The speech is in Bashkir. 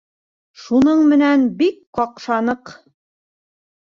Шуның менән бик ҡаҡшаныҡ.